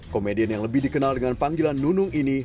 komedian yang lebih dikenal dengan panggilan nunung ini